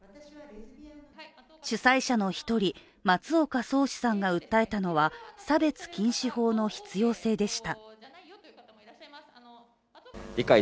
主催者の一人、松岡宗嗣さんが訴えたのは差別禁止法の必要性でした。